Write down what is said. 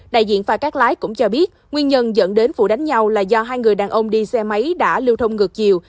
đại diện phà cắt lái cũng cho biết nguyên nhân dẫn đến vụ đánh nhau là do hai người đàn ông đi xe máy đã lưu thông ngược chiều